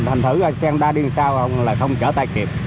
thành thử xe honda đi làm sao là không chở tay kịp